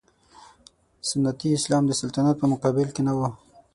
سنتي اسلام د سلطنت په مقابل کې نه و.